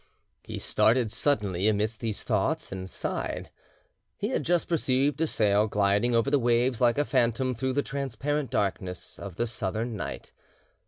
He started suddenly amidst these thoughts and sighed: he had just perceived a sail gliding over the waves like a phantom through the transparent darkness of the southern night.